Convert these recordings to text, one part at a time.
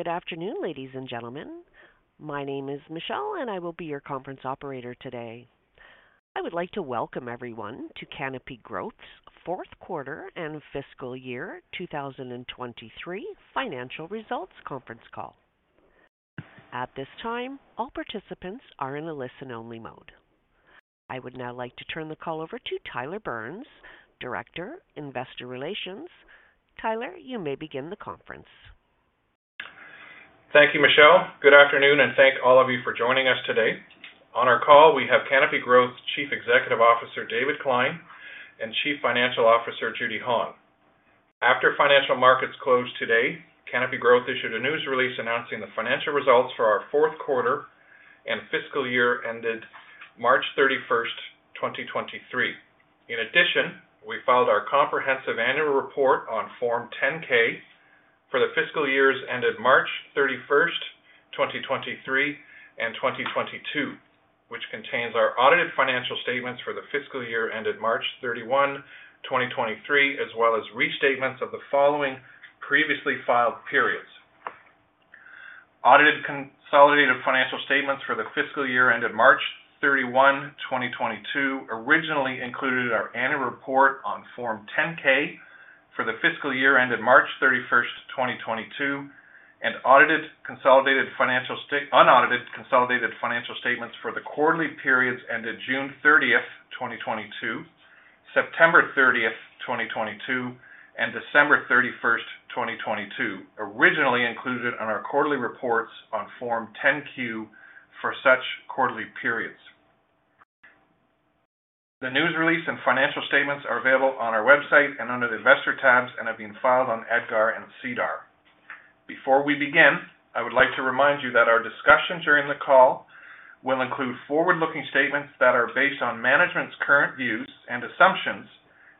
Good afternoon, ladies and gentlemen. My name is Michelle, and I will be your conference operator today. I would like to welcome everyone to Canopy Growth's Fourth Quarter and Fiscal Year 2023 Financial Results Conference Call. At this time, all participants are in a listen-only mode. I would now like to turn the call over to Tyler Burns, Director, Investor Relations. Tyler, you may begin the conference. Thank you, Michelle. Good afternoon. Thank all of you for joining us today. On our call, we have Canopy Growth's Chief Executive Officer, David Klein, and Chief Financial Officer, Judy Hong. After financial markets closed today, Canopy Growth issued a news release announcing the financial results for our fourth quarter and fiscal year ended March 31st, 2023. We filed our comprehensive annual report on Form 10-K for the fiscal years ended March 31st, 2023 and 2022, which contains our audited financial statements for the fiscal year ended March 31, 2023, as well as restatements of the following previously filed periods. Audited consolidated financial statements for the fiscal year ended March 31, 2022, originally included our annual report on Form 10-K for the fiscal year ended March 31st, 2022, and unaudited consolidated financial statements for the quarterly periods ended June 30th, 2022, September 30th, 2022, and December 31st, 2022, originally included in our quarterly reports on Form 10-Q for such quarterly periods. The news release and financial statements are available on our website and under the Investor tabs and have been filed on EDGAR and SEDAR. Before we begin, I would like to remind you that our discussions during the call will include forward-looking statements that are based on management's current views and assumptions,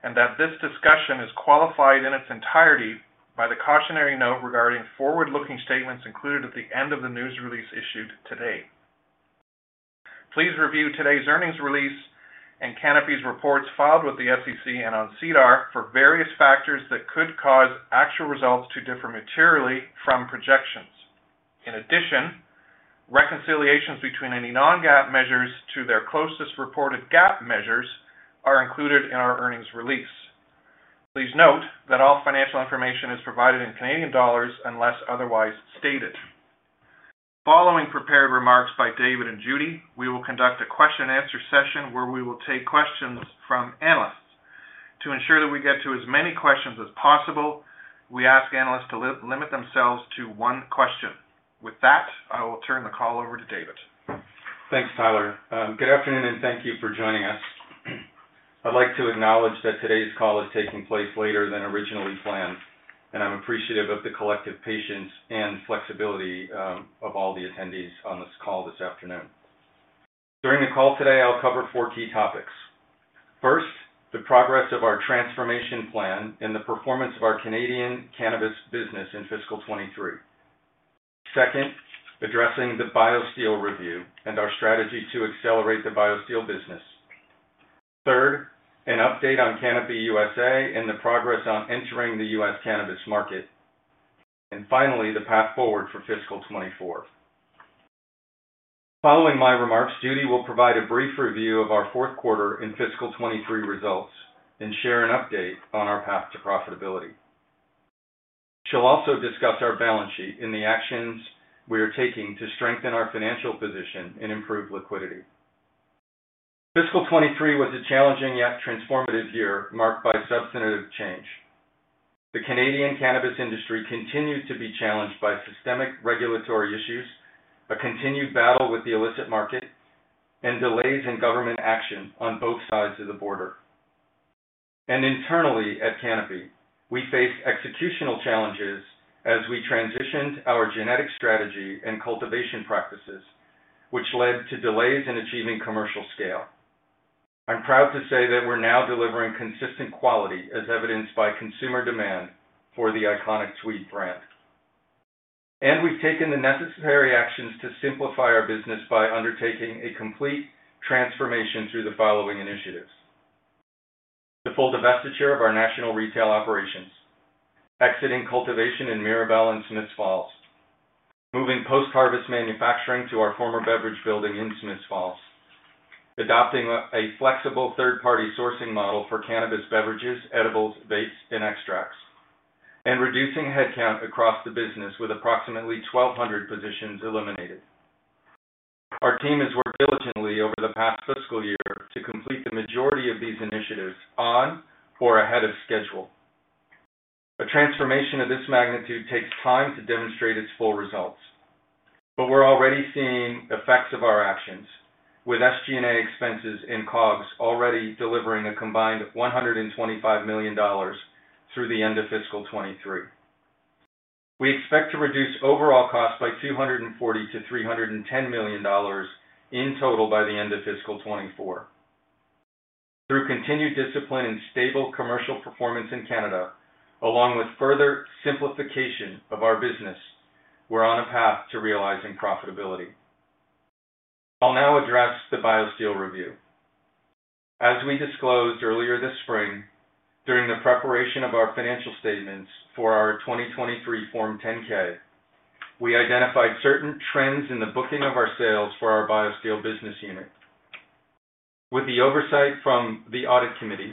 and that this discussion is qualified in its entirety by the cautionary note regarding forward-looking statements included at the end of the news release issued today. Please review today's earnings release and Canopy's reports filed with the SEC and on SEDAR for various factors that could cause actual results to differ materially from projections. Reconciliations between any non-GAAP measures to their closest reported GAAP measures are included in our earnings release. Please note that all financial information is provided in Canadian dollars unless otherwise stated. Following prepared remarks by David and Judy, we will conduct a question and answer session where we will take questions from analysts. To ensure that we get to as many questions as possible, we ask analysts to limit themselves to one question. I will turn the call over to David. Thanks, Tyler. Good afternoon, and thank you for joining us. I'd like to acknowledge that today's call is taking place later than originally planned, and I'm appreciative of the collective patience and flexibility of all the attendees on this call this afternoon. During the call today, I'll cover four key topics. First, the progress of our transformation plan and the performance of our Canadian cannabis business in fiscal 2023. Second, addressing the BioSteel review and our strategy to accelerate the BioSteel business. Third, an update on Canopy USA and the progress on entering the US cannabis market. Finally, the path forward for fiscal 2024. Following my remarks, Judy will provide a brief review of our fourth quarter and fiscal 2023 results and share an update on our path to profitability. She'll also discuss our balance sheet and the actions we are taking to strengthen our financial position and improve liquidity. Fiscal 2023 was a challenging yet transformative year, marked by substantive change. The Canadian cannabis industry continued to be challenged by systemic regulatory issues, a continued battle with the illicit market, and delays in government action on both sides of the border. Internally at Canopy, we faced executional challenges as we transitioned our genetic strategy and cultivation practices, which led to delays in achieving commercial scale. I'm proud to say that we're now delivering consistent quality, as evidenced by consumer demand for the iconic Tweed brand. We've taken the necessary actions to simplify our business by undertaking a complete transformation through the following initiatives: the full divestiture of our national retail operations, exiting cultivation in Mirabel and Smiths Falls, moving post-harvest manufacturing to our former beverage building in Smiths Falls, adopting a flexible third-party sourcing model for cannabis beverages, edibles, vapes, and extracts, and reducing headcount across the business with approximately 1,200 positions eliminated. Our team has worked diligently over the past fiscal year to complete the majority of these initiatives on or ahead of schedule. A transformation of this magnitude takes time to demonstrate its full results, but we're already seeing effects of our actions, with SG&A expenses and COGS already delivering a combined 125 million dollars through the end of fiscal 2023. We expect to reduce overall costs by 240 million-310 million dollars in total by the end of fiscal 2024. Through continued discipline and stable commercial performance in Canada, along with further simplification of our business, we're on a path to realizing profitability. I'll now address the BioSteel review. As we disclosed earlier this spring, during the preparation of our financial statements for our 2023 Form 10-K, we identified certain trends in the booking of our sales for our BioSteel business unit. With the oversight from the audit committee,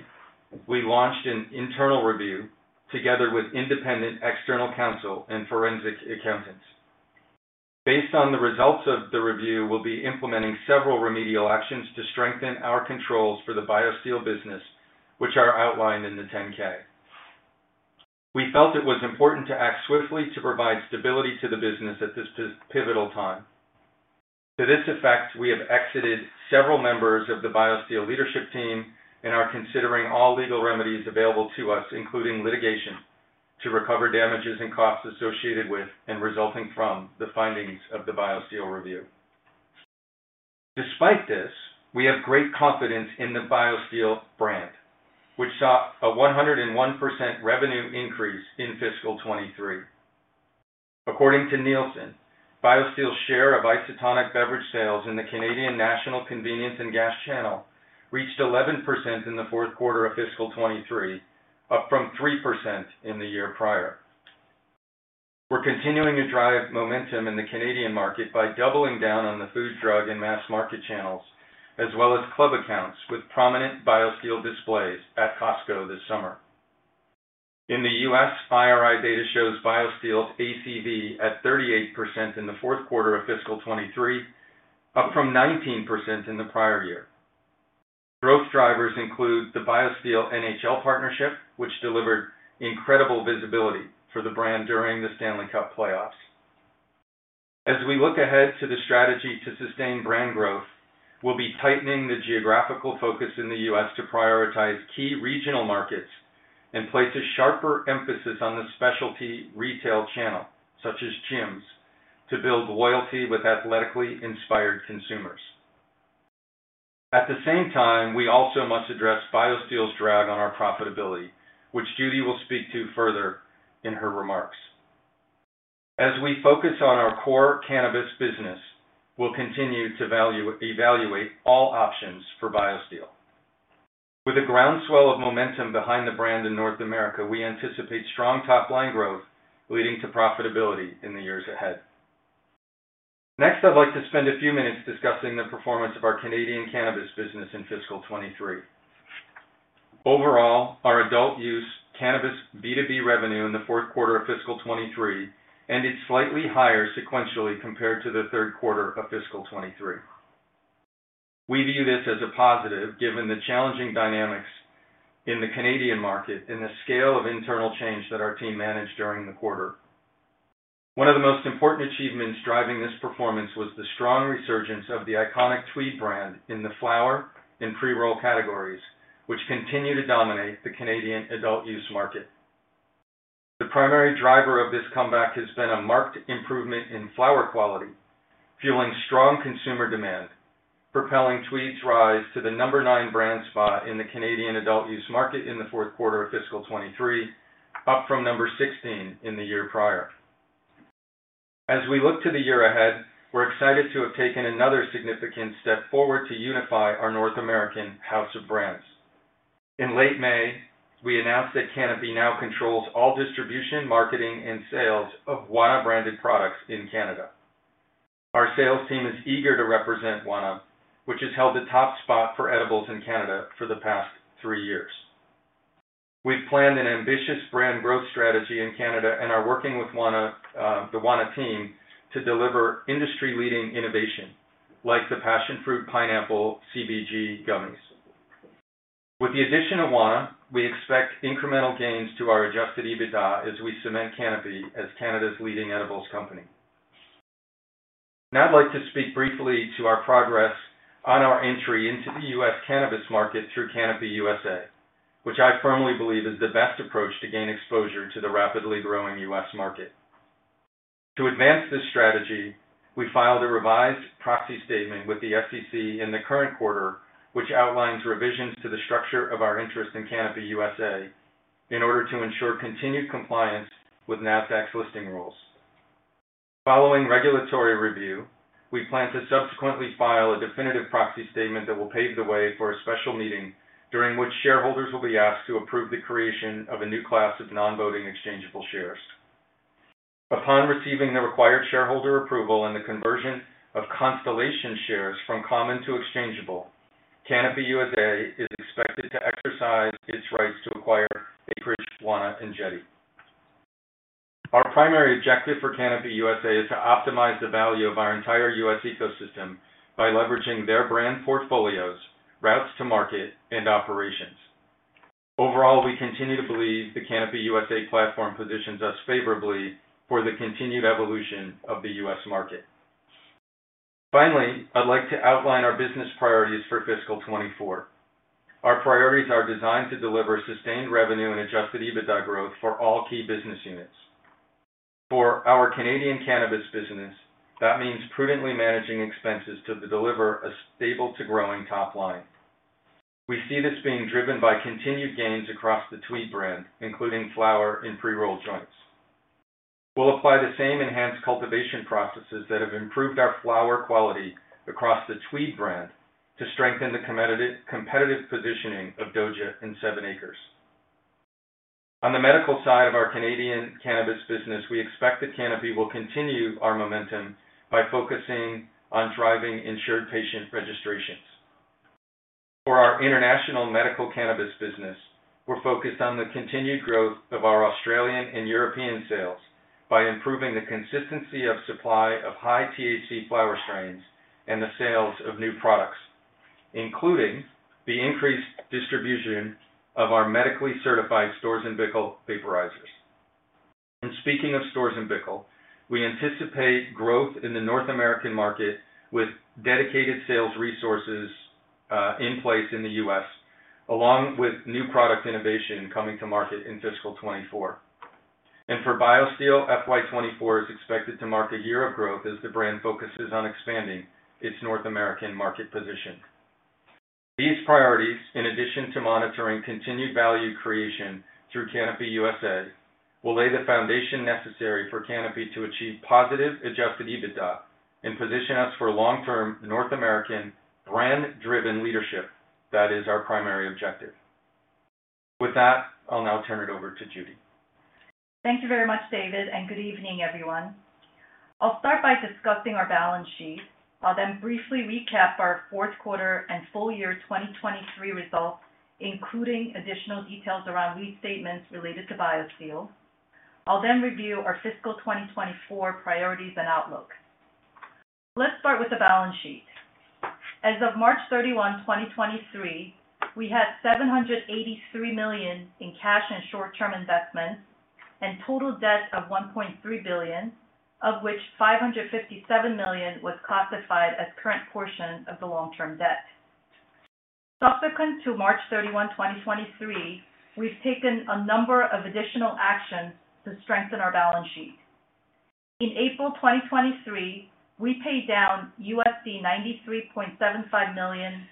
we launched an internal review together with independent external counsel and forensic accountants. Based on the results of the review, we'll be implementing several remedial actions to strengthen our controls for the BioSteel business, which are outlined in the 10-K. We felt it was important to act swiftly to provide stability to the business at this pivotal time. To this effect, we have exited several members of the BioSteel leadership team and are considering all legal remedies available to us, including litigation, to recover damages and costs associated with and resulting from the findings of the BioSteel review. Despite this, we have great confidence in the BioSteel brand, which saw a 101% revenue increase in fiscal 2023. According to Nielsen, BioSteel's share of isotonic beverage sales in the Canadian national convenience and gas channel reached 11% in the fourth quarter of fiscal 2023, up from 3% in the year prior. We're continuing to drive momentum in the Canadian market by doubling down on the food, drug, and mass market channels, as well as club accounts with prominent BioSteel displays at Costco this summer. In the U.S., IRI data shows BioSteel's ACV at 38% in the fourth quarter of fiscal 2023, up from 19% in the prior year. Growth drivers include the BioSteel NHL partnership, which delivered incredible visibility for the brand during the Stanley Cup playoffs. We look ahead to the strategy to sustain brand growth, we'll be tightening the geographical focus in the U.S. to prioritize key regional markets and place a sharper emphasis on the specialty retail channel, such as gyms, to build loyalty with athletically inspired consumers. At the same time, we also must address BioSteel's drag on our profitability, which Judy will speak to further in her remarks. We focus on our core cannabis business, we'll continue to evaluate all options for BioSteel. With a groundswell of momentum behind the brand in North America, we anticipate strong top-line growth leading to profitability in the years ahead. Next, I'd like to spend a few minutes discussing the performance of our Canadian cannabis business in fiscal 2023. Overall, our adult use cannabis B2B revenue in the fourth quarter of fiscal 2023 ended slightly higher sequentially compared to the third quarter of fiscal 2023. We view this as a positive, given the challenging dynamics in the Canadian market and the scale of internal change that our team managed during the quarter. One of the most important achievements driving this performance was the strong resurgence of the iconic Tweed brand in the flower and pre-roll categories, which continue to dominate the Canadian adult use market. The primary driver of this comeback has been a marked improvement in flower quality, fueling strong consumer demand, propelling Tweed's rise to the number nine brand spot in the Canadian adult use market in the fourth quarter of fiscal 2023, up from number 16 in the year prior. As we look to the year ahead, we're excited to have taken another significant step forward to unify our North American house of brands. In late May, we announced that Canopy now controls all distribution, marketing, and sales of Wana-branded products in Canada. Our sales team is eager to represent Wana, which has held the top spot for edibles in Canada for the past three years. We've planned an ambitious brand growth strategy in Canada and are working with Wana, the Wana team, to deliver industry-leading innovation, like the Passionfruit Pineapple CBG gummies. With the addition of Wana, we expect incremental gains to our adjusted EBITDA as we cement Canopy as Canada's leading edibles company. I'd like to speak briefly to our progress on our entry into the U.S. cannabis market through Canopy USA, which I firmly believe is the best approach to gain exposure to the rapidly growing U.S. market. To advance this strategy, we filed a revised proxy statement with the SEC in the current quarter, which outlines revisions to the structure of our interest in Canopy USA in order to ensure continued compliance with Nasdaq's listing rules. Following regulatory review, we plan to subsequently file a definitive proxy statement that will pave the way for a special meeting, during which shareholders will be asked to approve the creation of a new class of non-voting exchangeable shares. Upon receiving the required shareholder approval and the conversion of Constellation shares from common to exchangeable, Canopy USA is expected to exercise its rights to acquire Acreage, Wana, and Jetty. Our primary objective for Canopy USA is to optimize the value of our entire US ecosystem by leveraging their brand portfolios, routes to market, and operations. We continue to believe the Canopy USA platform positions us favorably for the continued evolution of the US market. I'd like to outline our business priorities for fiscal 2024. Our priorities are designed to deliver sustained revenue and adjusted EBITDA growth for all key business units. Our Canadian cannabis business, that means prudently managing expenses to deliver a stable to growing top line. We see this being driven by continued gains across the Tweed brand, including flower and pre-roll joints. We'll apply the same enhanced cultivation processes that have improved our flower quality across the Tweed brand to strengthen the competitive positioning of DOJA and 7ACRES. On the medical side of our Canadian cannabis business, we expect that Canopy will continue our momentum by focusing on driving insured patient registrations. For our international medical cannabis business, we're focused on the continued growth of our Australian and European sales by improving the consistency of supply of high THC flower strains and the sales of new products, including the increased distribution of our medically certified Storz & Bickel vaporizers. Speaking of Storz & Bickel, we anticipate growth in the North American market with dedicated sales resources in place in the U.S., along with new product innovation coming to market in fiscal 2024. For BioSteel, FY 2024 is expected to mark a year of growth as the brand focuses on expanding its North American market position. These priorities, in addition to monitoring continued value creation through Canopy USA, will lay the foundation necessary for Canopy to achieve positive adjusted EBITDA and position us for long-term North American brand-driven leadership. That is our primary objective. With that, I'll now turn it over to Judy. Thank you very much, David. Good evening, everyone. I'll start by discussing our balance sheet. I'll briefly recap our fourth quarter and full year 2023 results, including additional details around restatements related to BioSteel. I'll review our fiscal 2024 priorities and outlook. Let's start with the balance sheet. As of March 31, 2023, we had 783 million in cash and short-term investments, and total debt of 1.3 billion, of which 557 million was classified as current portion of the long-term debt. Subsequent to March 31, 2023, we've taken a number of additional actions to strengthen our balance sheet. In April 2023, we paid down $93.75 million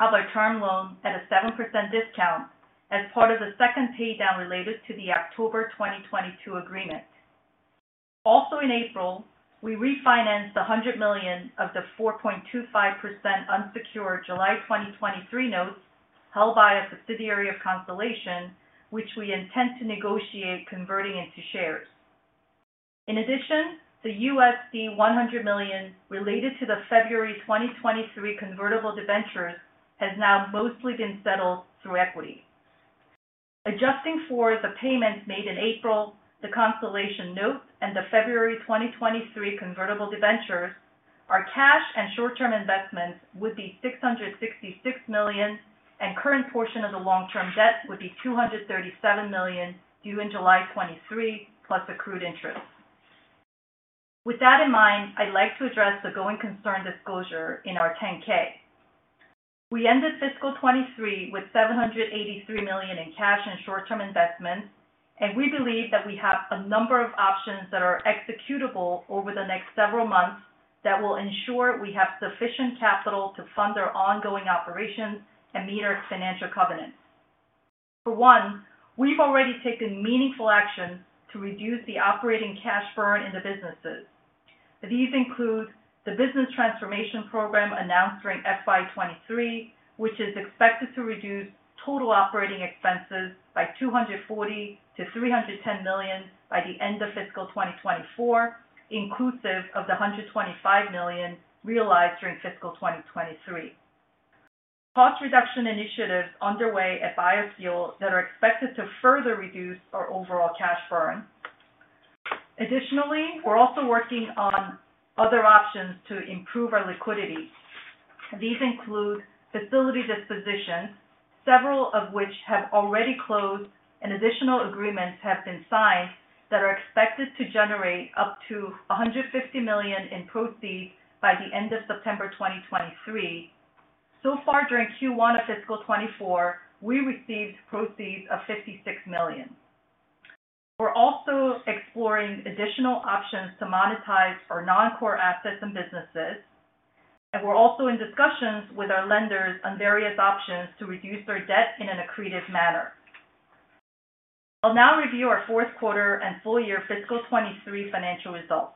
of our term loan at a 7% discount as part of the second paydown related to the October 2022 agreement. In April, we refinanced 100 million of the 4.25% unsecured July 2023 notes held by a subsidiary of Constellation, which we intend to negotiate converting into shares. The $100 million related to the February 2023 convertible debentures has now mostly been settled through equity. Adjusting for the payments made in April, the Constellation note and the February 2023 convertible debentures, our cash and short-term investments would be 666 million, and current portion of the long-term debt would be 237 million, due in July 2023, plus accrued interest. I'd like to address the going concern disclosure in our 10-K. We ended fiscal 2023 with 783 million in cash and short-term investments. We believe that we have a number of options that are executable over the next several months that will ensure we have sufficient capital to fund our ongoing operations and meet our financial covenants. For one, we've already taken meaningful action to reduce the operating cash burn in the businesses. These include the business transformation program announced during FY 2023, which is expected to reduce total operating expenses by 240 million-310 million by the end of fiscal 2024, inclusive of the 125 million realized during fiscal 2023. Cost reduction initiatives underway at BioSteel that are expected to further reduce our overall cash burn. Additionally, we're also working on other options to improve our liquidity. These include facility dispositions, several of which have already closed, and additional agreements have been signed that are expected to generate up to 150 million in proceeds by the end of September 2023. So far, during Q1 of fiscal 2024, we received proceeds of 56 million. We're also exploring additional options to monetize our non-core assets and businesses, and we're also in discussions with our lenders on various options to reduce our debt in an accretive manner. I'll now review our fourth quarter and full year fiscal 2023 financial results.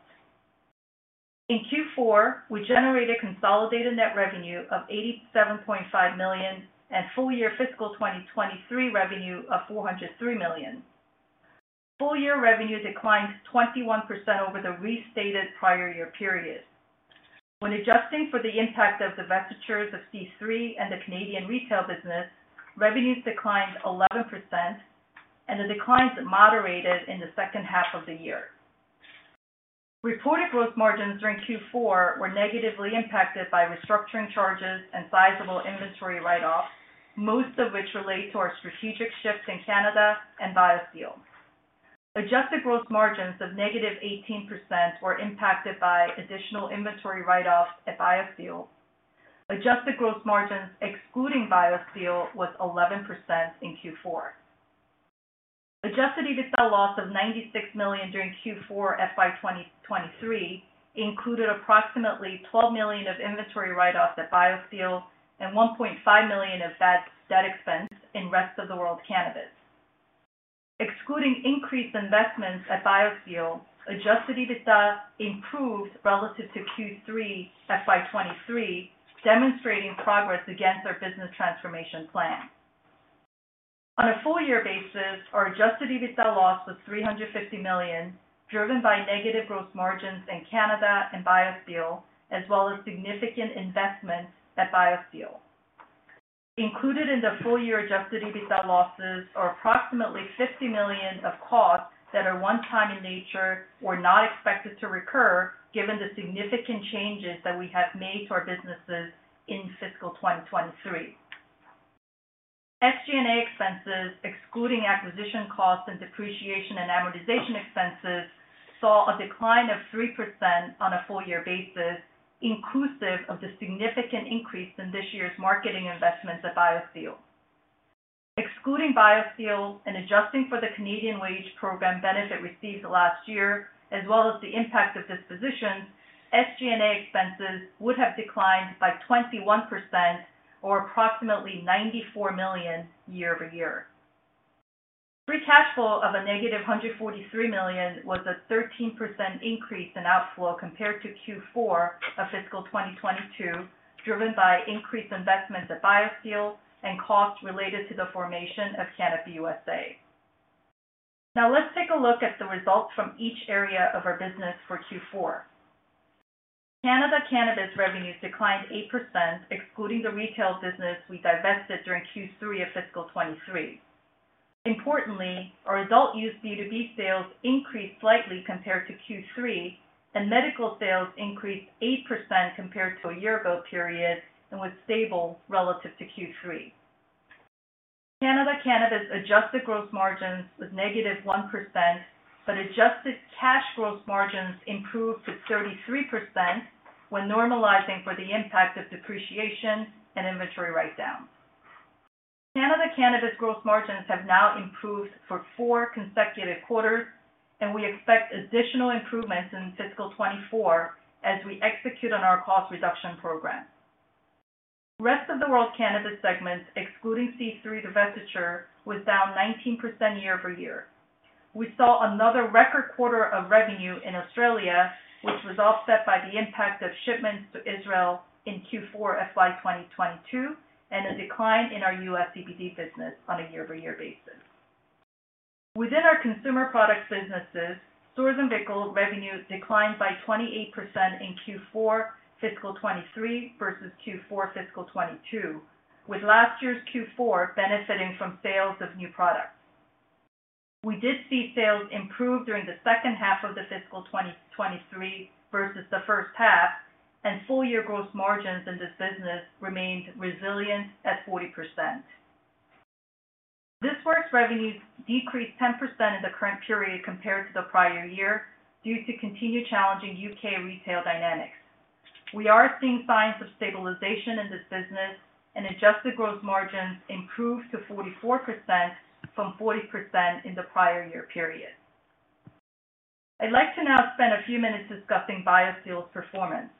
In Q4, we generated consolidated net revenue of 87.5 million, and full year fiscal 2023 revenue of 403 million. Full year revenue declined 21% over the restated prior year period. When adjusting for the impact of the divestitures of C3 and the Canadian retail business, revenues declined 11%, and the declines moderated in the second half of the year. Reported gross margins during Q4 were negatively impacted by restructuring charges and sizable inventory write-offs, most of which relate to our strategic shifts in Canada and BioSteel. Adjusted gross margins of -18% were impacted by additional inventory write-offs at BioSteel. Adjusted gross margins, excluding BioSteel, was 11% in Q4. Adjusted EBITDA loss of CAD 96 million during Q4 FY 2023 included approximately CAD 12 million of inventory write-offs at BioSteel and CAD 1.5 million of bad debt expense in rest of the world cannabis. Excluding increased investments at BioSteel, adjusted EBITDA improved relative to Q3 FY 2023, demonstrating progress against our business transformation plan. On a full-year basis, our adjusted EBITDA loss was 350 million, driven by negative gross margins in Canada and BioSteel, as well as significant investments at BioSteel. Included in the full-year adjusted EBITDA losses are approximately 50 million of costs that are one-time in nature or not expected to recur, given the significant changes that we have made to our businesses in fiscal 2023. SG&A expenses, excluding acquisition costs and depreciation and amortization expenses, saw a decline of 3% on a full-year basis, inclusive of the significant increase in this year's marketing investments at BioSteel. Excluding BioSteel and adjusting for the Canadian wage program benefit received last year, as well as the impact of dispositions, SG&A expenses would have declined by 21% or approximately 94 million year-over-year. Free cash flow of 143 million was a 13% increase in outflow compared to Q4 of fiscal 2022, driven by increased investments at BioSteel and costs related to the formation of Canopy USA. Let's take a look at the results from each area of our business for Q4. Canada cannabis revenues declined 8%, excluding the retail business we divested during Q3 of fiscal 2023. Importantly, our adult use B2B sales increased slightly compared to Q3, and medical sales increased 8% compared to a year-ago period and was stable relative to Q3. Canada cannabis adjusted gross margins was -1%, but adjusted cash gross margins improved to 33% when normalizing for the impact of depreciation and inventory write-downs. Canada Cannabis gross margins have now improved for four consecutive quarters. We expect additional improvements in fiscal 2024 as we execute on our cost reduction program. Rest of the World Cannabis segment, excluding C3 divestiture, was down 19% year-over-year. We saw another record quarter of revenue in Australia, which was offset by the impact of shipments to Israel in Q4 FY 2022, and a decline in our U.S. CBD business on a year-over-year basis. Within our consumer products businesses, Storz & Bickel revenues declined by 28% in Q4 fiscal 2023 versus Q4 fiscal 2022, with last year's Q4 benefiting from sales of new products. We did see sales improve during the second half of the fiscal 2023 versus the first half, and full-year gross margins in this business remained resilient at 40%. This Works' revenues decreased 10% in the current period compared to the prior year due to continued challenging U.K. retail dynamics. We are seeing signs of stabilization in this business and adjusted gross margins improved to 44% from 40% in the prior year period. I'd like to now spend a few minutes discussing BioSteel's performance.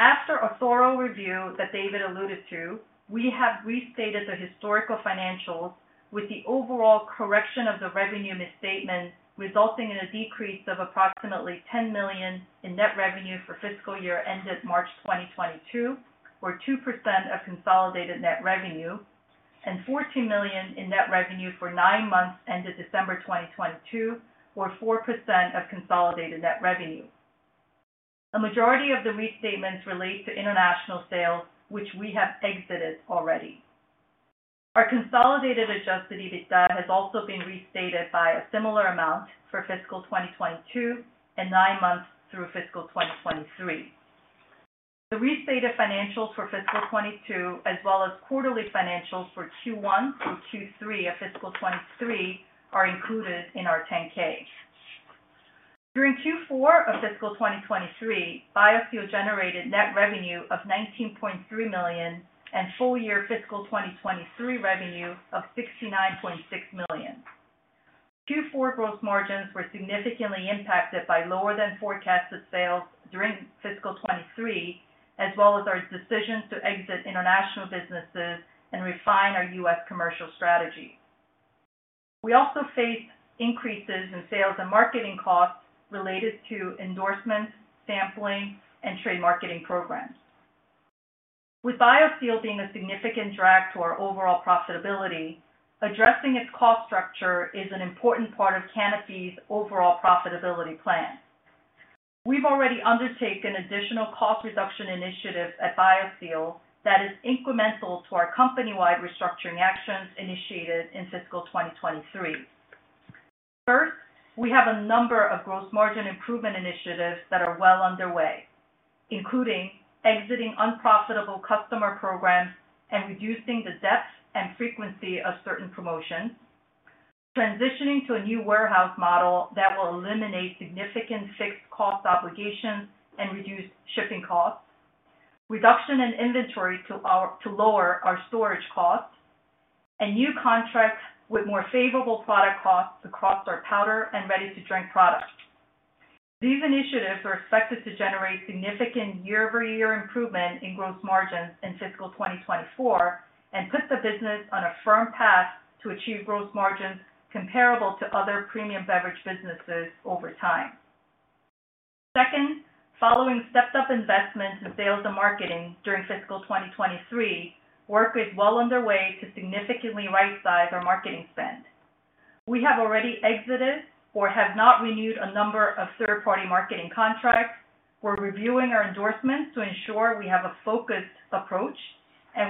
After a thorough review that David alluded to, we have restated the historical financials with the overall correction of the revenue misstatement, resulting in a decrease of approximately 10 million in net revenue for fiscal year ended March 2022, or 2% of consolidated net revenue, and 14 million in net revenue for nine months ended December 2022, or 4% of consolidated net revenue. A majority of the restatements relate to international sales, which we have exited already. Our consolidated adjusted EBITDA has also been restated by a similar amount for fiscal 2022 and nine months through fiscal 2023. The restated financials for fiscal 2022, as well as quarterly financials for Q1 through Q3 of fiscal 2023, are included in our Form 10-K. During Q4 of fiscal 2023, BioSteel generated net revenue of 19.3 million and full-year fiscal 2023 revenue of 69.6 million. Q4 growth margins were significantly impacted by lower than forecasted sales during fiscal 2023, as well as our decision to exit international businesses and refine our U.S. commercial strategy. We also faced increases in sales and marketing costs related to endorsements, sampling, and trade marketing programs. With BioSteel being a significant drag to our overall profitability, addressing its cost structure is an important part of Canopy's overall profitability plan. We've already undertaken additional cost reduction initiatives at BioSteel that is incremental to our company-wide restructuring actions initiated in fiscal 2023. First, we have a number of gross margin improvement initiatives that are well underway, including exiting unprofitable customer programs and reducing the depth and frequency of certain promotions, transitioning to a new warehouse model that will eliminate significant fixed cost obligations and reduce shipping costs, reduction in inventory to lower our storage costs, and new contracts with more favorable product costs across our powder and ready-to-drink products. These initiatives are expected to generate significant year-over-year improvement in gross margins in fiscal 2024, and put the business on a firm path to achieve gross margins comparable to other premium beverage businesses over time. Second, following stepped-up investments in sales and marketing during fiscal 2023, work is well underway to significantly rightsize our marketing spend. We have already exited or have not renewed a number of third-party marketing contracts. We're reviewing our endorsements to ensure we have a focused approach.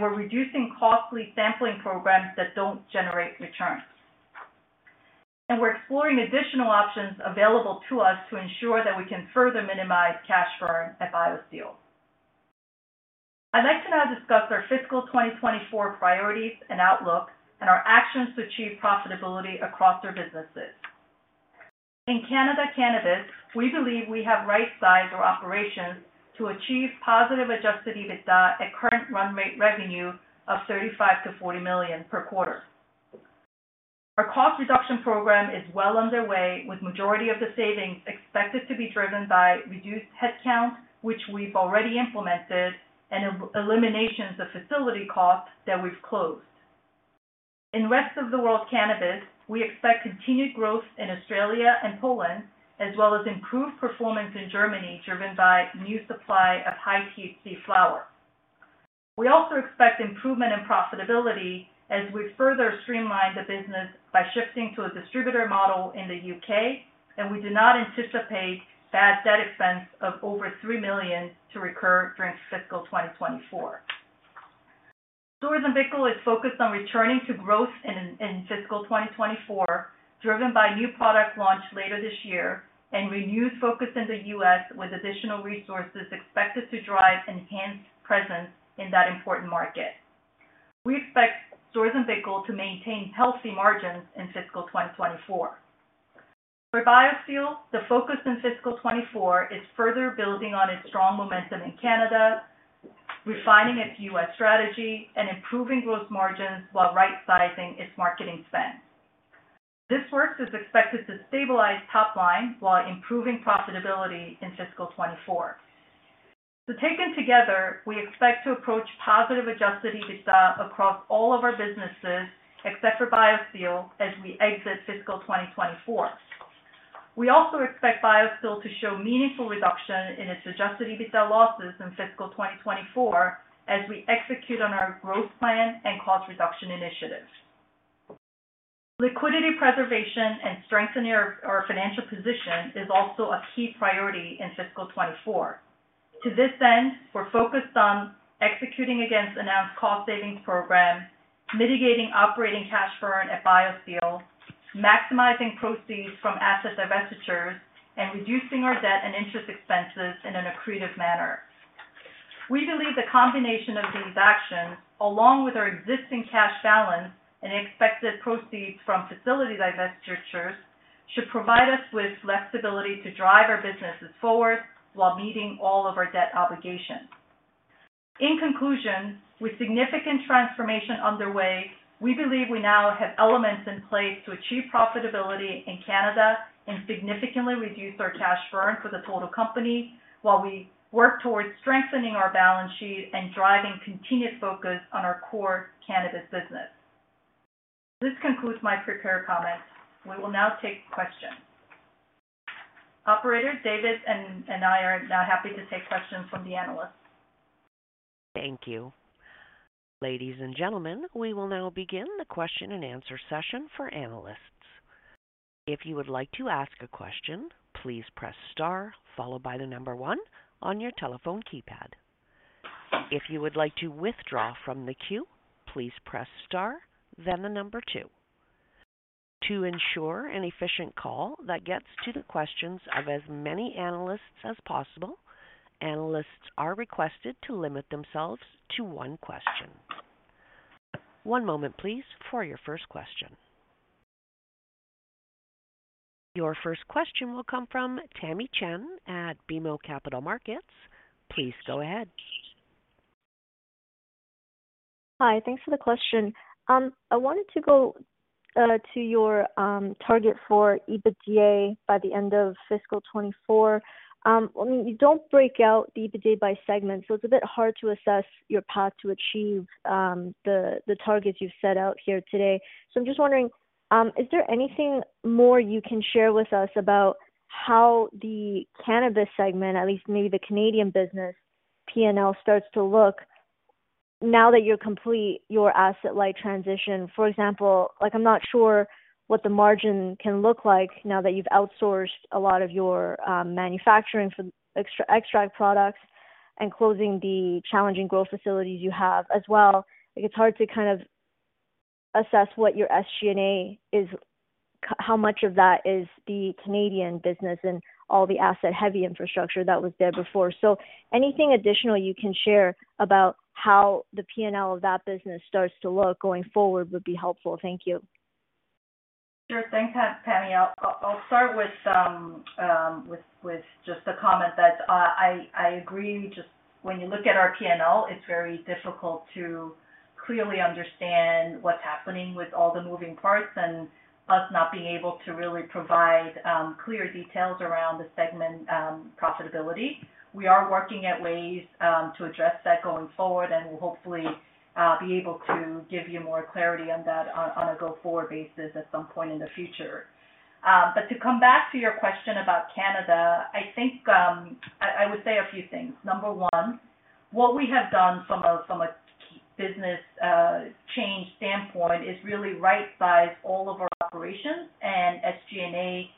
We're reducing costly sampling programs that don't generate returns. We're exploring additional options available to us to ensure that we can further minimize cash burn at BioSteel. I'd like to now discuss our fiscal 2024 priorities and outlook and our actions to achieve profitability across our businesses. In Canada Cannabis, we believe we have rightsized our operations to achieve positive adjusted EBITDA at current run rate revenue of 35 million-40 million per quarter. Our cost reduction program is well underway, with majority of the savings expected to be driven by reduced headcount, which we've already implemented, and eliminations of facility costs that we've closed. In rest of the world cannabis, we expect continued growth in Australia and Poland, as well as improved performance in Germany, driven by new supply of high-THC flower. We also expect improvement in profitability as we further streamline the business by shifting to a distributor model in the U.K. We do not anticipate bad debt expense of over 3 million to recur during fiscal 2024. Storz & Bickel is focused on returning to growth in fiscal 2024, driven by new product launch later this year and renewed focus in the U.S., with additional resources expected to drive enhanced presence in that important market. We expect Storz & Bickel to maintain healthy margins in fiscal 2024. For BioSteel, the focus in fiscal 2024 is further building on its strong momentum in Canada, refining its U.S. strategy and improving gross margins while rightsizing its marketing spend. This work is expected to stabilize top line while improving profitability in fiscal 2024. Taken together, we expect to approach positive adjusted EBITDA across all of our businesses, except for BioSteel, as we exit fiscal 2024. We also expect BioSteel to show meaningful reduction in its adjusted EBITDA losses in fiscal 2024, as we execute on our growth plan and cost reduction initiatives. Liquidity preservation and strengthening our financial position is also a key priority in fiscal 2024. To this end, we're focused on executing against announced cost savings program, mitigating operating cash burn at BioSteel, maximizing proceeds from asset divestitures, and reducing our debt and interest expenses in an accretive manner. We believe the combination of these actions, along with our existing cash balance and expected proceeds from facility divestitures, should provide us with flexibility to drive our businesses forward while meeting all of our debt obligations. In conclusion, with significant transformation underway, we believe we now have elements in place to achieve profitability in Canada and significantly reduce our cash burn for the total company, while we work towards strengthening our balance sheet and driving continued focus on our core cannabis business. This concludes my prepared comments. We will now take questions. Operator, David and I are now happy to take questions from the analysts. Thank you. Ladies and gentlemen, we will now begin the question-and-answer session for analysts. If you would like to ask a question, please press star followed by one on your telephone keypad. If you would like to withdraw from the queue, please press star, then number two. To ensure an efficient call that gets to the questions of as many analysts as possible, analysts are requested to limit themselves to one question. One moment, please, for your first question. Your first question will come from Tamy Chen at BMO Capital Markets. Please go ahead. Hi, thanks for the question. I wanted to go to your target for EBITDA by the end of fiscal 2024. I mean, you don't break out the EBITDA by segment, it's a bit hard to assess your path to achieve the targets you've set out here today. I'm just wondering, is there anything more you can share with us about how the cannabis segment, at least maybe the Canadian business P&L, starts to look now that you're complete your asset-light transition? For example, like I'm not sure what the margin can look like now that you've outsourced a lot of your manufacturing for extract products and closing the challenging growth facilities you have as well. Like, it's hard to kind of assess what your SG&A is how much of that is the Canadian business and all the asset-heavy infrastructure that was there before. Anything additional you can share about how the P&L of that business starts to look going forward would be helpful. Thank you. Sure. Thanks, Tamy. I'll start with just a comment that I agree, just when you look at our P&L, it's very difficult to clearly understand what's happening with all the moving parts, and us not being able to really provide clear details around the segment profitability. We are working at ways to address that going forward, and we'll hopefully be able to give you more clarity on that on a go-forward basis at some point in the future. To come back to your question about Canada, I think I would say a few things. Number one, what we have done from a business change standpoint is really right-size all of our operations and SG&A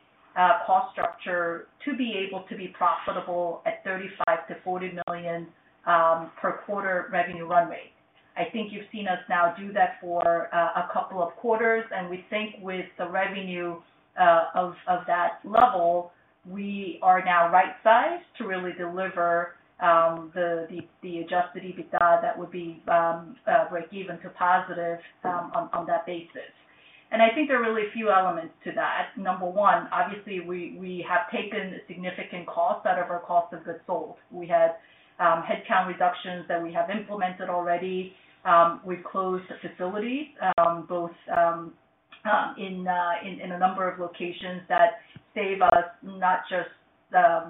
cost structure to be able to be profitable at 35 million-40 million per quarter revenue runway. I think you've seen us now do that for a couple of quarters, and we think with the revenue of that level, we are now right-sized to really deliver the adjusted EBITDA that would be breakeven to positive on that basis. I think there are really a few elements to that. Number one, obviously, we have taken significant costs out of our cost of goods sold. We had headcount reductions that we have implemented already. We've closed facilities, both in a number of locations that save us not just the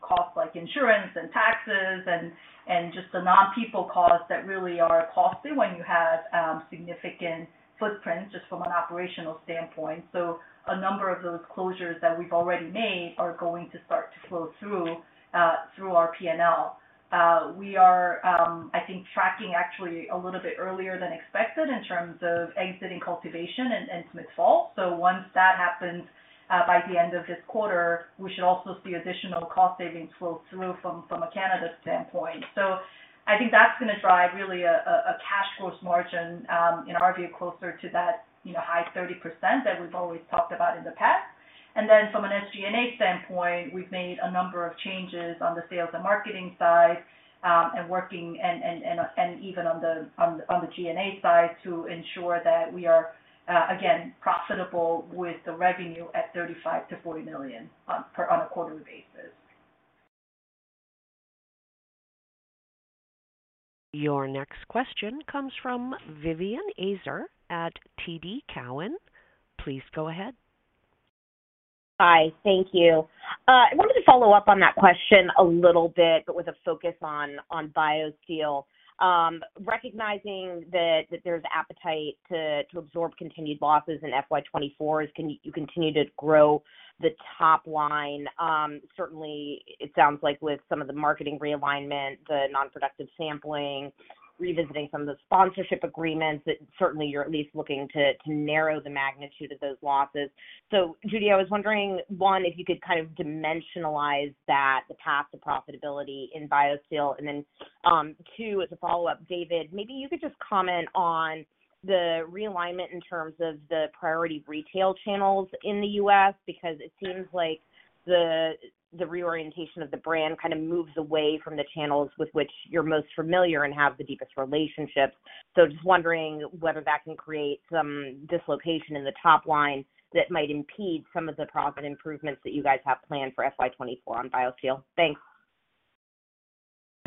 cost, like insurance and taxes and just the non-people costs that really are costly when you have significant footprint just from an operational standpoint. A number of those closures that we've already made are going to start to flow through through our P&L. We are, I think tracking actually a little bit earlier than expected in terms of exiting cultivation in Smith Falls. Once that happens, by the end of this quarter, we should also see additional cost savings flow through from a Canada standpoint. I think that's gonna drive really a cash flow margin, in our view, closer to that, you know, high 30% that we've always talked about in the past. From an SG&A standpoint, we've made a number of changes on the sales and marketing side, and working even on the G&A side to ensure that we are again profitable with the revenue at 35 million-40 million per on a quarterly basis. Your next question comes from Vivien Azer at TD Cowen. Please go ahead. Hi, thank you. I wanted to follow up on that question a little bit, but with a focus on BioSteel. Recognizing that there's appetite to absorb continued losses in FY 2024, as you continue to grow the top line. Certainly, it sounds like with some of the marketing realignment, the non-productive sampling, revisiting some of the sponsorship agreements, that certainly you're at least looking to narrow the magnitude of those losses. Judy, I was wondering, one, if you could kind of dimensionalize that, the path to profitability in BioSteel. Two, as a follow-up, David, maybe you could just comment on the realignment in terms of the priority retail channels in the U.S., because it seems like the reorientation of the brand kind of moves away from the channels with which you're most familiar and have the deepest relationships. Just wondering whether that can create some dislocation in the top line that might impede some of the profit improvements that you guys have planned for FY 2024 on BioSteel. Thanks.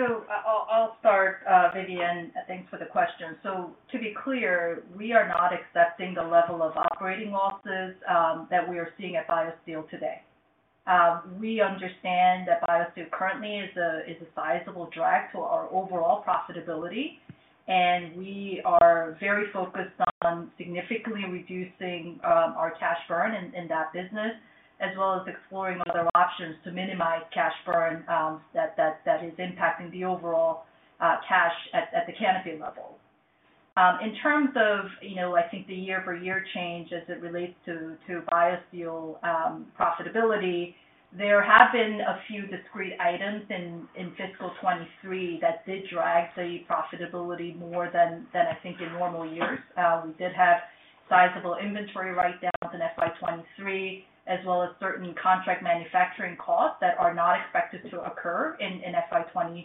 I'll start, Vivien, thanks for the question. To be clear, we are not accepting the level of operating losses that we are seeing at BioSteel today. We understand that BioSteel currently is a sizable drag to our overall profitability, and we are very focused on significantly reducing our cash burn in that business, as well as exploring other options to minimize cash burn that is impacting the overall cash at the canopy level. In terms of, you know, I think the year-over-year change as it relates to BioSteel profitability, there have been a few discrete items in fiscal 2023 that did drag the profitability more than I think in normal years. We did have sizable inventory writedowns in FY 2023, as well as certain contract manufacturing costs that are not expected to occur in FY 2024,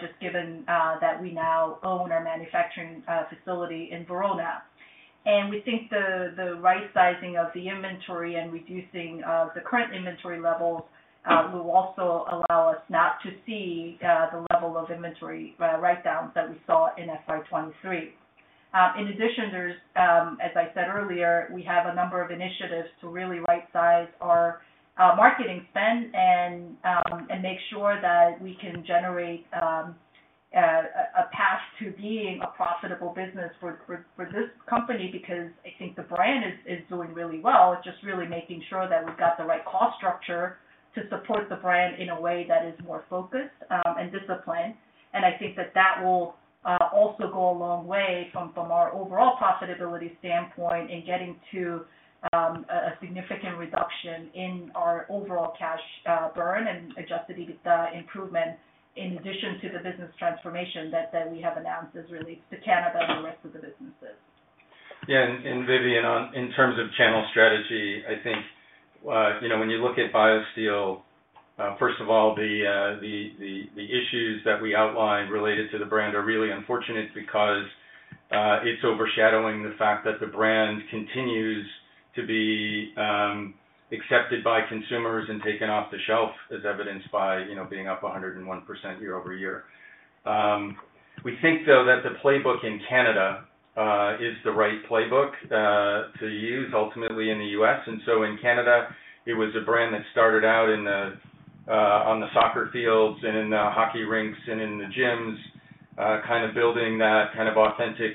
just given that we now own our manufacturing facility in Verona. We think the right sizing of the inventory and reducing the current inventory levels will also allow us not to see the level of inventory writedowns that we saw in FY 2023. In addition, there's as I said earlier, we have a number of initiatives to really rightsize our marketing spend and make sure that we can generate a path to being a profitable business for this company, because I think the brand is doing really well. It's just really making sure that we've got the right cost structure to support the brand in a way that is more focused and disciplined. I think that that will also go a long way from our overall profitability standpoint in getting to a significant reduction in our overall cash burn and adjusted EBITDA improvement, in addition to the business transformation that we have announced as it relates to Canada and the rest of the businesses. Yeah, and Vivien, on, in terms of channel strategy, I think, you know, when you look at BioSteel, first of all, the issues that we outlined related to the brand are really unfortunate because it's overshadowing the fact that the brand continues to be accepted by consumers and taken off the shelf, as evidenced by, you know, being up 101% year-over-year. We think, though, that the playbook in Canada is the right playbook to use ultimately in the U.S. In Canada, it was a brand that started out on the soccer fields and in the hockey rinks and in the gyms, kind of building that kind of authentic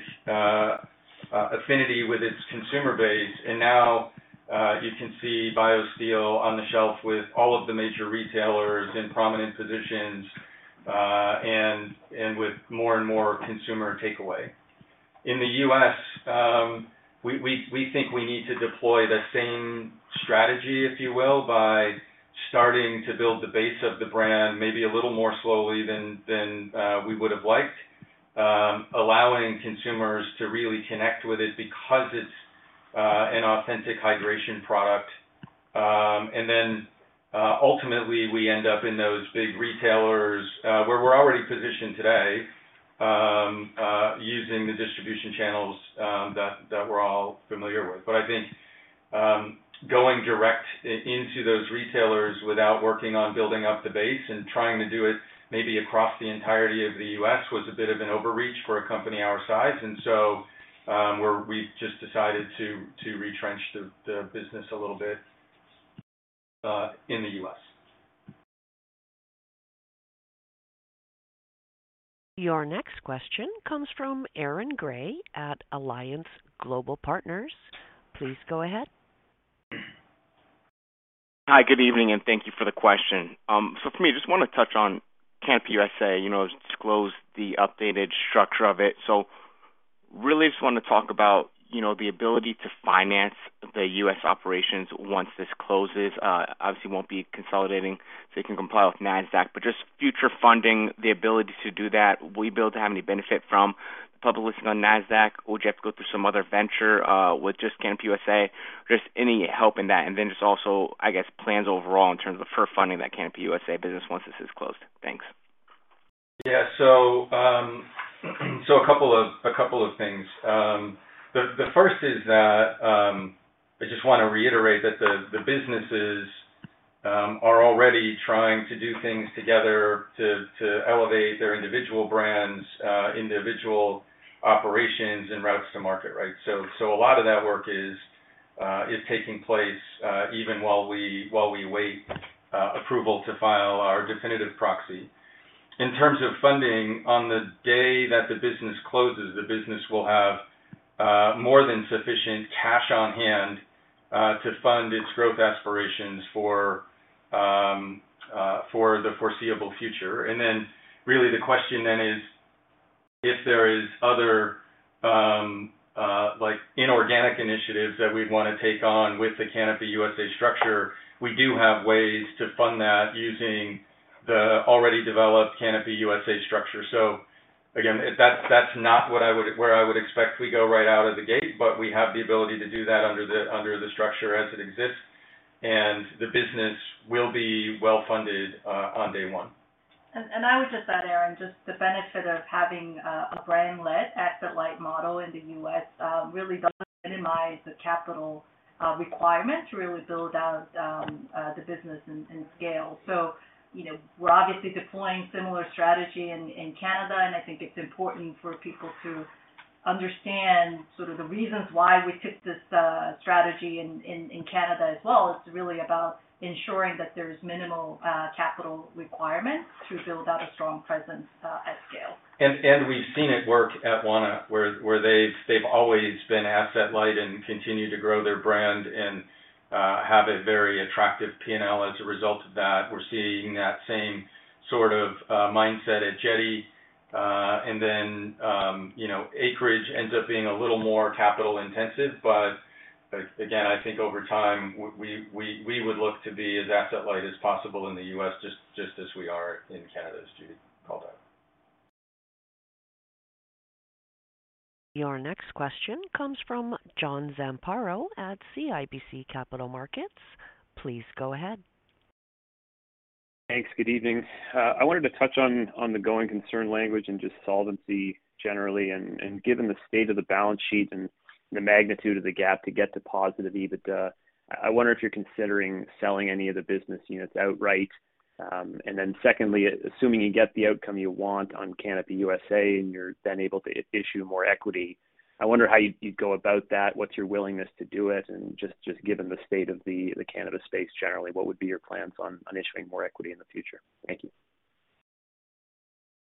affinity with its consumer base. Now, you can see BioSteel on the shelf with all of the major retailers in prominent positions, and with more and more consumer takeaway. In the U.S., we think we need to deploy the same strategy, if you will, by starting to build the base of the brand, maybe a little more slowly than we would have liked, allowing consumers to really connect with it because it's an authentic hydration product. And then, ultimately, we end up in those big retailers, where we're already positioned today, using the distribution channels, that we're all familiar with. I think, going direct into those retailers without working on building up the base and trying to do it maybe across the entirety of the U.S., was a bit of an overreach for a company our size. So, we've just decided to retrench the business a little bit, in the U.S. Your next question comes from Aaron Grey at Alliance Global Partners. Please go ahead. Hi, good evening, and thank you for the question. For me, I just want to touch on Canopy USA, you know, disclose the updated structure of it. Really, I just want to talk about, you know, the ability to finance the US operations once this closes. Obviously, you won't be consolidating, so you can comply with Nasdaq. Just future funding, the ability to do that, will you be able to have any benefit from public listing on Nasdaq? Would you have to go through some other venture with just Canopy USA? Just any help in that. Just also, I guess, plans overall in terms of for funding that Canopy USA business once this is closed. Thanks. Yeah. A couple of things. The first is that I just want to reiterate that the businesses are already trying to do things together to elevate their individual brands, individual operations and routes to market, right? A lot of that work is taking place even while we wait approval to file our definitive proxy. In terms of funding, on the day that the business closes, the business will have more than sufficient cash on hand to fund its growth aspirations for the foreseeable future. Really the question then is, if there is other, like inorganic initiatives that we'd want to take on with the Canopy USA structure, we do have ways to fund that using the already developed Canopy USA structure. Again, that's not where I would expect we go right out of the gate, but we have the ability to do that under the, under the structure as it exists, and the business will be well-funded on day one. I would just add, Aaron, just the benefit of having a brand-led, asset-light model in the U.S., really does minimize the capital requirement to really build out the business and scale. You know, we're obviously deploying similar strategy in Canada, and I think it's important for people to understand sort of the reasons why we took this strategy in Canada as well. It's really about ensuring that there's minimal capital requirements to build out a strong presence at scale. We've seen it work at Wana, where they've always been asset-light and continue to grow their brand and have a very attractive P&L as a result of that. We're seeing that same sort of mindset at Jetty. You know, Acreage ends up being a little more capital-intensive. Again, I think over time, we would look to be as asset-light as possible in the U.S., just as we are in Canada. As Judy called out. Your next question comes from John Zamparo at CIBC Capital Markets. Please go ahead. Thanks. Good evening. I wanted to touch on the going concern language and just solvency generally. Given the state of the balance sheet and the magnitude of the gap to get to positive EBITDA, I wonder if you're considering selling any of the business units outright. Secondly, assuming you get the outcome you want on Canopy USA, and you're then able to issue more equity, I wonder how you'd go about that. What's your willingness to do it? Just given the state of the Canada space generally, what would be your plans on issuing more equity in the future? Thank you.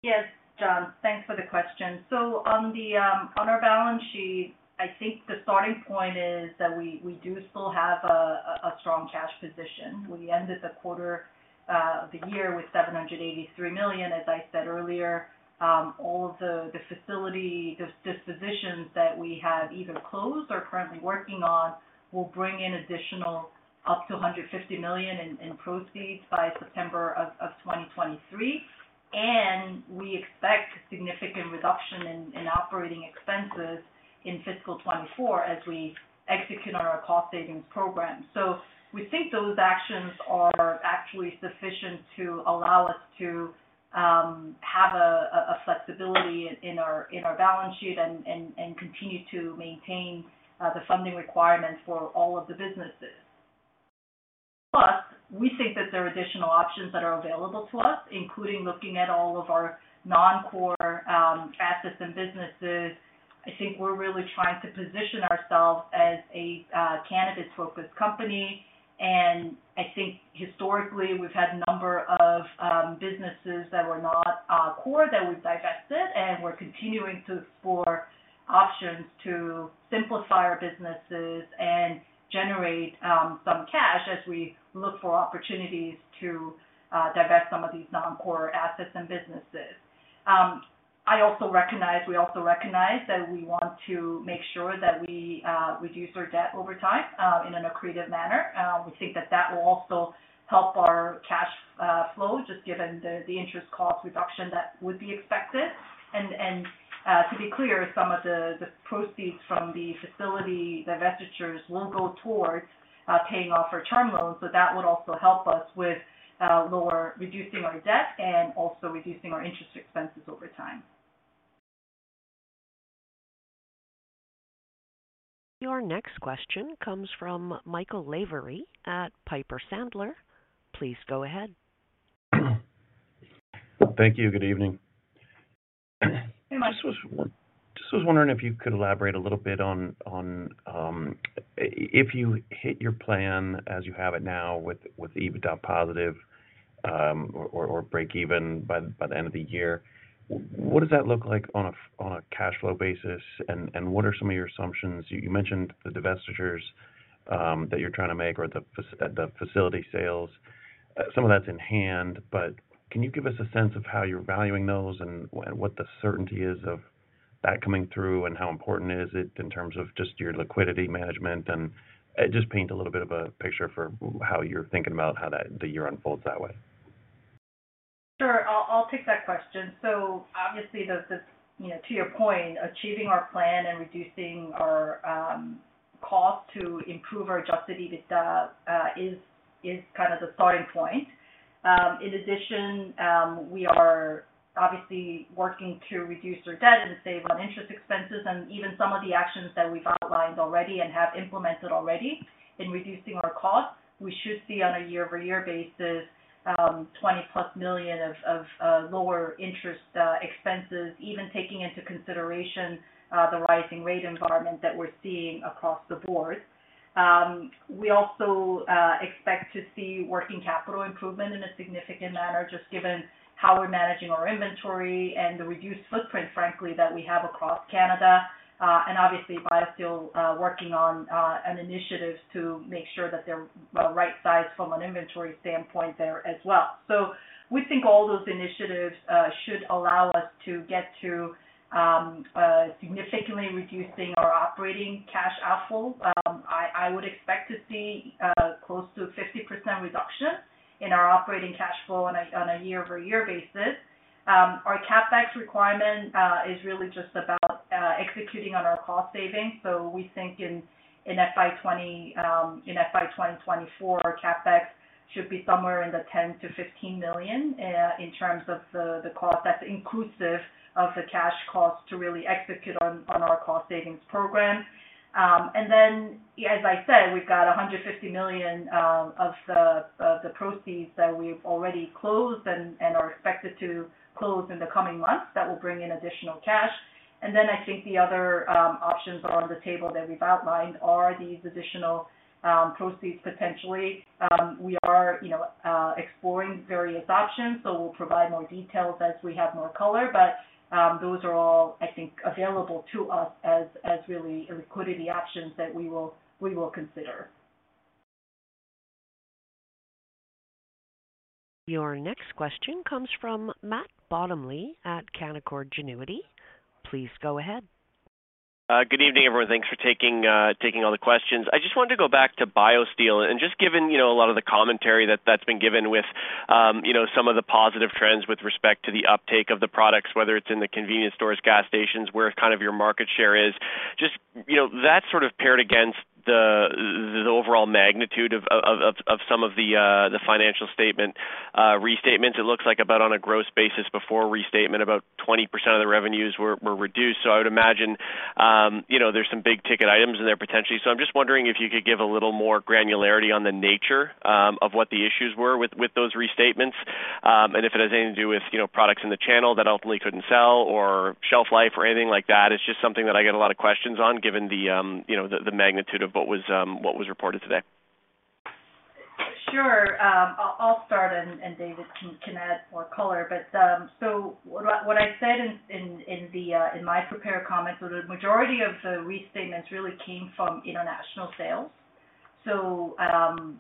Yes, John, thanks for the question. On our balance sheet, I think the starting point is that we do still have a strong cash position. We ended the quarter of the year with 783 million. As I said earlier, all of the facility dispositions that we have either closed or currently working on, will bring in additional up to 150 million in proceeds by September 2023. We expect significant reduction in operating expenses in fiscal 2024 as we execute on our cost savings program. We think those actions are actually sufficient to allow us to have flexibility in our balance sheet and continue to maintain the funding requirements for all of the businesses. We think that there are additional options that are available to us, including looking at all of our non-core assets and businesses. I think we're really trying to position ourselves as a candidate-focused company. I think historically, we've had a number of businesses that were not core, that we divested, and we're continuing to explore options to simplify our businesses and generate some cash as we look for opportunities to divest some of these non-core assets and businesses. I also recognize, we also recognize that we want to make sure that we reduce our debt over time in an accretive manner. We think that that will also help our cash flow, just given the interest cost reduction that would be expected. To be clear, some of the proceeds from the facility divestitures will go towards paying off our term loans. That would also help us with reducing our debt and also reducing our interest expenses over time. Your next question comes from Michael Lavery at Piper Sandler. Please go ahead. Thank you. Good evening. I just was wondering if you could elaborate a little bit on, if you hit your plan as you have it now with EBITDA positive, or break even by the end of the year, what does that look like on a cash flow basis, and what are some of your assumptions? You mentioned the divestitures, that you're trying to make or the facility sales. Some of that's in hand, but can you give us a sense of how you're valuing those and what the certainty is of that coming through, and how important is it in terms of just your liquidity management? Just paint a little bit of a picture for how you're thinking about how that, the year unfolds that way. Sure. I'll take that question. Obviously, you know, to your point, achieving our plan and reducing our cost to improve our adjusted EBITDA is kind of the starting point. In addition, we are obviously working to reduce our debt and save on interest expenses, and even some of the actions that we've outlined already and have implemented already in reducing our costs. We should see on a year-over-year basis, 20+ million of lower interest expenses, even taking into consideration the rising rate environment that we're seeing across the board. We also expect to see working capital improvement in a significant manner, just given how we're managing our inventory and the reduced footprint, frankly, that we have across Canada. Obviously, BioSteel working on an initiative to make sure that they're right-sized from an inventory standpoint there as well. We think all those initiatives should allow us to get to significantly reducing our operating cash outflows. I would expect to see close to a 50% reduction in our operating cash flow on a year-over-year basis. Our CapEx requirement is really just about executing on our cost savings. We think in FY 20, in FY 2024, CapEx should be somewhere in the 10 million-15 million in terms of cost. That's inclusive of the cash costs to really execute on our cost savings program. As I said, we've got 150 million of the proceeds that we've already closed and are expected to close in the coming months. That will bring in additional cash. I think the other options on the table that we've outlined are these additional proceeds potentially. We are, you know, exploring various options, so we'll provide more details as we have more color. Those are all, I think, available to us as really liquidity options that we will consider. Your next question comes from Matt Bottomley at Canaccord Genuity. Please go ahead. Good evening, everyone. Thanks for taking all the questions. I just wanted to go back to BioSteel and just given, you know, a lot of the commentary that's been given with, you know, some of the positive trends with respect to the uptake of the products, whether it's in the convenience stores, gas stations, where kind of your market share is. Just, you know, that sort of paired against the overall magnitude of some of the financial statement restatements, it looks like about on a gross basis before restatement, about 20% of the revenues were reduced. I would imagine, you know, there's some big-ticket items in there, potentially. I'm just wondering if you could give a little more granularity on the nature, of what the issues were with those restatements, and if it has anything to do with, you know, products in the channel that ultimately couldn't sell or shelf life or anything like that. It's just something that I get a lot of questions on, given the, you know, the magnitude of what was reported today. Sure. I'll start and David can add more color. What I said in my prepared comments was the majority of the restatements really came from international sales.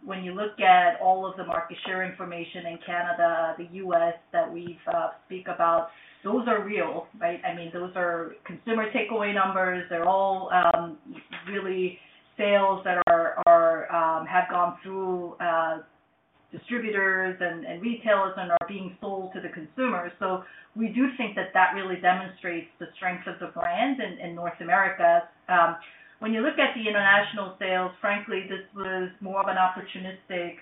When you look at all of the market share information in Canada, the U.S., that we speak about, those are real, right. I mean, those are consumer takeaway numbers. They're all really sales that are, have gone through distributors and retailers and are being sold to the consumer. We do think that that really demonstrates the strength of the brand in North America. When you look at the international sales, frankly, this was more of an opportunistic,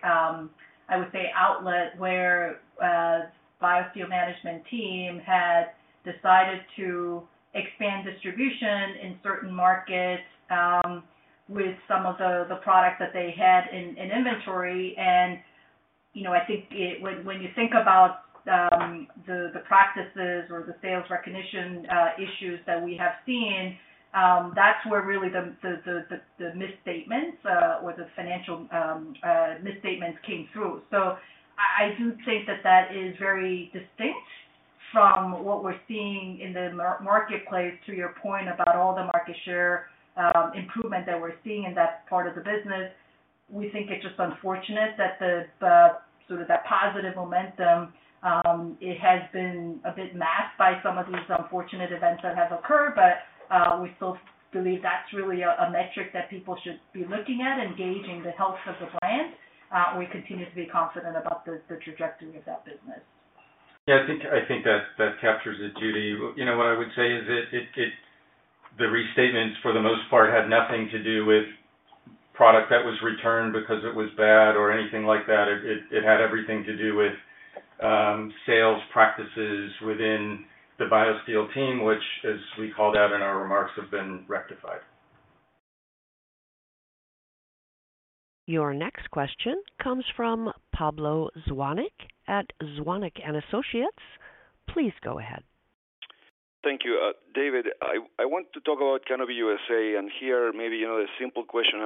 I would say outlet where BioSteel management team had decided to expand distribution in certain markets, with some of the products that they had in inventory. You know, I think it, when you think about the practices or the sales recognition issues that we have seen, that's where really the misstatements or the financial misstatements came through. I do think that that is very distinct from what we're seeing in the marketplace, to your point about all the market share improvement that we're seeing in that part of the business. We think it's just unfortunate that the sort of that positive momentum, it has been a bit masked by some of these unfortunate events that have occurred. We still believe that's really a metric that people should be looking at and gauging the health of the brand. We continue to be confident about the trajectory of that business. I think, I think that captures it, Judy. You know, what I would say is it, the restatements, for the most part, had nothing to do with product that was returned because it was bad or anything like that. It had everything to do with sales practices within the BioSteel team, which, as we called out in our remarks, have been rectified. Your next question comes from Pablo Zuanic at Zuanic & Associates. Please go ahead. Thank you. David, I want to talk about Canopy USA, and here, maybe, you know, a simple question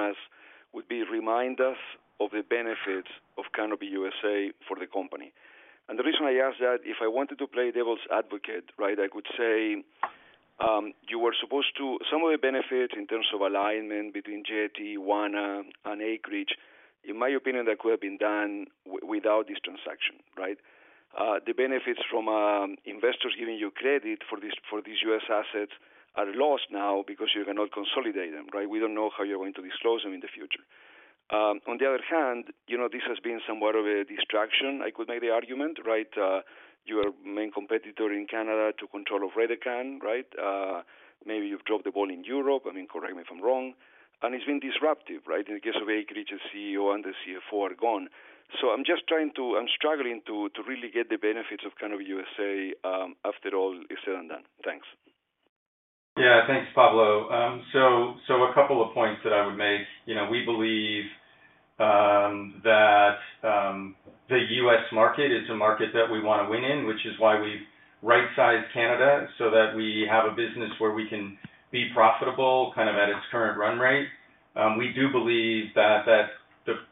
would be, remind us of the benefits of Canopy USA for the company. The reason I ask that, if I wanted to play devil's advocate, right, I could say, Some of the benefits in terms of alignment between Jetty, Wana, and Acreage, in my opinion, that could have been done without this transaction, right? The benefits from investors giving you credit for this, for these U.S. assets are lost now because you cannot consolidate them, right? We don't know how you're going to disclose them in the future. On the other hand, you know, this has been somewhat of a distraction. I could make the argument, right, your main competitor in Canada took control of Redecan, right? Maybe you've dropped the ball in Europe. I mean, correct me if I'm wrong, and it's been disruptive, right? In the case of Acreage, the CEO and the CFO are gone. I'm struggling to really get the benefits of Canopy USA after all is said and done. Thanks. Thanks, Pablo. So a couple of points that I would make. You know, we believe that the U.S. market is a market that we want to win in, which is why we right-sized Canada, so that we have a business where we can be profitable kind of at its current run rate. We do believe that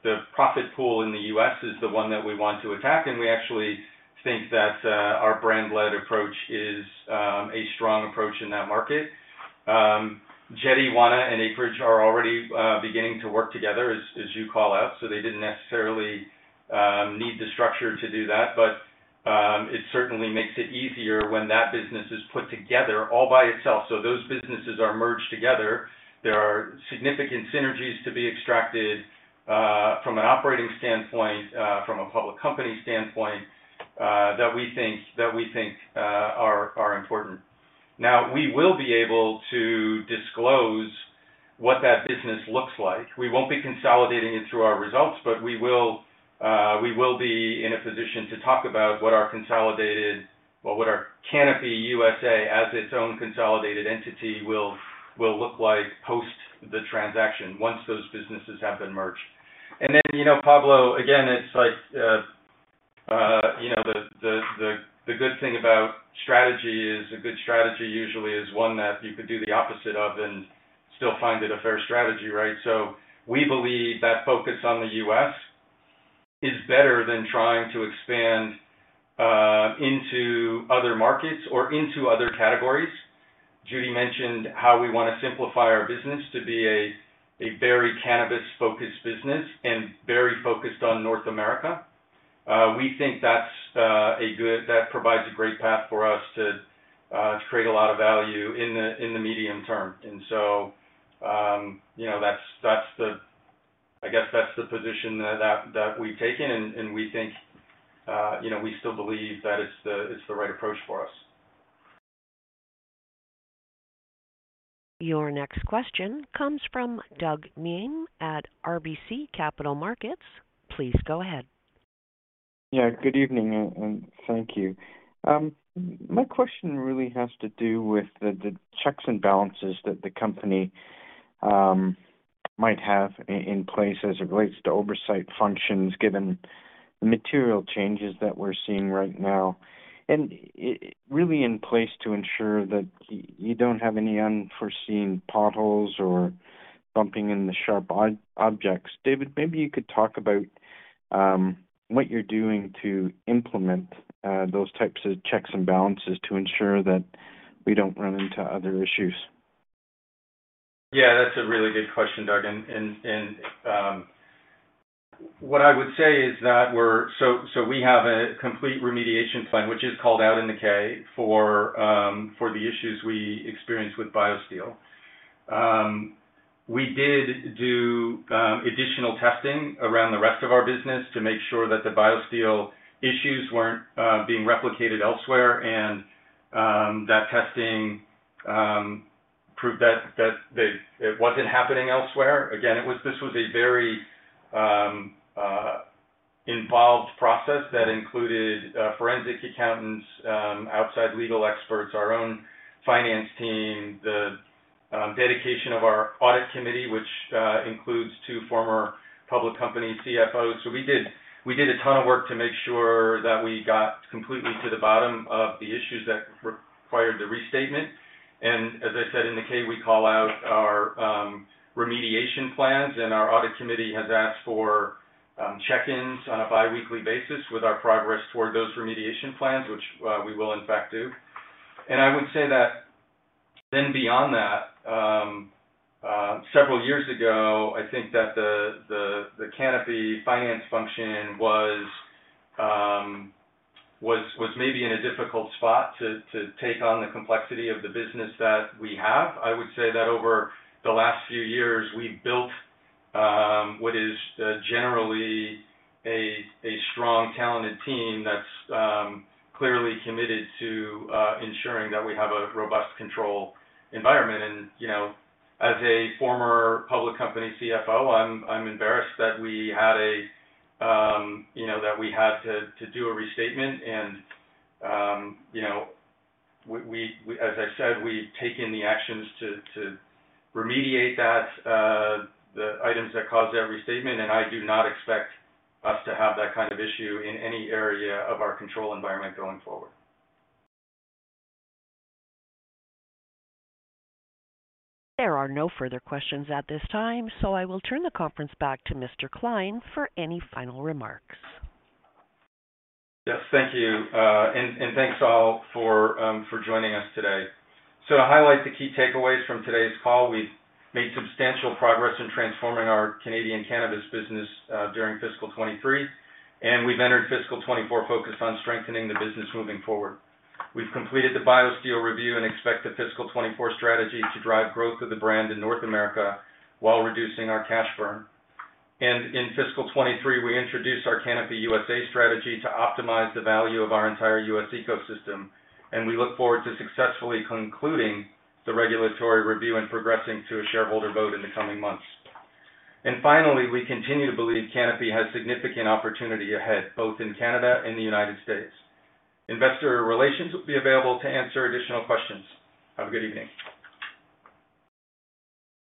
the profit pool in the U.S. is the one that we want to attack, and we actually think that our brand-led approach is a strong approach in that market. Jetty, Wana and Acreage are already beginning to work together, as you call out, so they didn't necessarily need the structure to do that. It certainly makes it easier when that business is put together all by itself. Those businesses are merged together. There are significant synergies to be extracted from an operating standpoint, from a public company standpoint, that we think are important. Now, we will be able to disclose what that business looks like. We won't be consolidating it through our results, but we will be in a position to talk about what our consolidated, well, what our Canopy USA, as its own consolidated entity, will look like post the transaction once those businesses have been merged. You know, Pablo, again, it's like, you know, the good thing about strategy is a good strategy usually is one that you could do the opposite of and still find it a fair strategy, right? We believe that focus on the U.S. is better than trying to expand into other markets or into other categories. Judy mentioned how we want to simplify our business to be a very cannabis-focused business and very focused on North America. We think that provides a great path for us to create a lot of value in the medium term. You know, that's the position that we've taken, and we think, you know, we still believe that it's the right approach for us. Your next question comes from Doug Miehm at RBC Capital Markets. Please go ahead. Good evening, and thank you. My question really has to do with the checks and balances that the company might have in place as it relates to oversight functions, given the material changes that we're seeing right now, and it really in place to ensure that you don't have any unforeseen potholes or bumping into sharp objects. David, maybe you could talk about what you're doing to implement those types of checks and balances to ensure that we don't run into other issues. Yeah, that's a really good question, Doug Miehm, and what I would say is that we're. So, we have a complete remediation plan, which is called out in the K for the issues we experienced with BioSteel. We did do additional testing around the rest of our business to make sure that the BioSteel issues weren't being replicated elsewhere, and that testing prove that it wasn't happening elsewhere. Again, it was, this was a very involved process that included forensic accountants, outside legal experts, our own finance team, the dedication of our audit committee, which includes two former public company CFOs. We did a ton of work to make sure that we got completely to the bottom of the issues that required the restatement. As I said, in the K, we call out our remediation plans, and our audit committee has asked for check-ins on a biweekly basis with our progress toward those remediation plans, which we will in fact do. I would say that then beyond that, several years ago, I think that the Canopy finance function was maybe in a difficult spot to take on the complexity of the business that we have. I would say that over the last few years, we've built what is generally a strong, talented team that's clearly committed to ensuring that we have a robust control environment. You know, as a former public company CFO, I'm embarrassed that we had a, you know, that we had to do a restatement, and, you know, we, as I said, we've taken the actions to remediate that, the items that caused that restatement, and I do not expect us to have that kind of issue in any area of our control environment going forward. There are no further questions at this time, so I will turn the conference back to Mr. Klein for any final remarks. Yes, thank you. Thanks all for joining us today. To highlight the key takeaways from today's call, we've made substantial progress in transforming our Canadian cannabis business during fiscal 2023, and we've entered fiscal 2024 focused on strengthening the business moving forward. We've completed the BioSteel review and expect the fiscal 2024 strategy to drive growth of the brand in North America while reducing our cash burn. In fiscal 2023, we introduced our Canopy USA strategy to optimize the value of our entire U.S. ecosystem, and we look forward to successfully concluding the regulatory review and progressing to a shareholder vote in the coming months. Finally, we continue to believe Canopy has significant opportunity ahead, both in Canada and the United States. Investor relations will be available to answer additional questions. Have a good evening.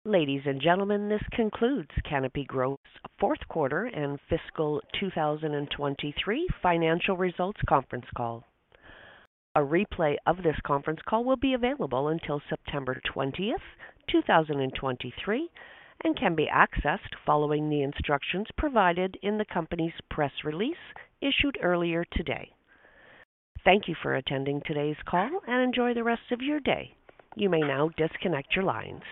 Ladies and gentlemen, this concludes Canopy Growth's Fourth Quarter and Fiscal 2023 Financial Results Conference Call. A replay of this conference call will be available until September 20th, 2023, and can be accessed following the instructions provided in the company's press release issued earlier today. Thank you for attending today's call, and enjoy the rest of your day. You may now disconnect your lines.